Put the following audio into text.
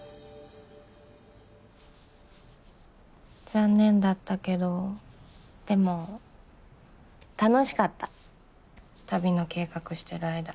残念だったけどでも楽しかった旅の計画してる間いろいろと。